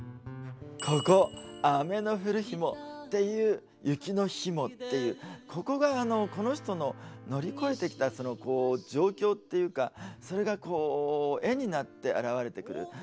ここ「雨の降る日も」っていう「雪の日も」っていうここが、この人の乗り越えてきた状況っていうかそれが絵になって表れてくる。